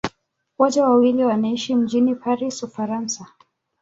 Wote wawili wanaishi mjini Paris, Ufaransa.